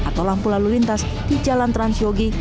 atau lampu lalu lintas di jalan transyogi